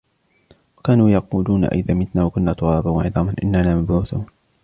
وَكَانُوا يَقُولُونَ أَئِذَا مِتْنَا وَكُنَّا تُرَابًا وَعِظَامًا أَإِنَّا لَمَبْعُوثُونَ